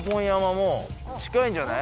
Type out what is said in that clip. もう近いんじゃない？